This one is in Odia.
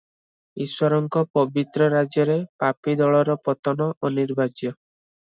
ଈଶ୍ୱରଙ୍କ ପବିତ୍ର ରାଜ୍ୟରେ ପାପୀ ଦଳର ପତନ ଅନିବାର୍ଯ୍ୟ ।